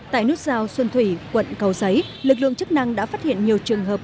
tại nút giao xuân thủy quận cầu giấy lực lượng chức năng đã phát hiện nhiều trường hợp